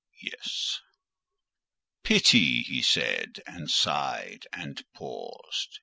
"Yes." "Pity!" he said, and sighed and paused.